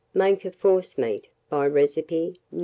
Make a forcemeat by recipe No.